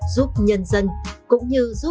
giúp nhân dân cũng như giúp